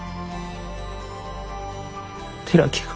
寺木が。